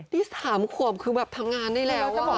ที่สามขวบคือแบบทั้งงานได้แล้วอ่ะ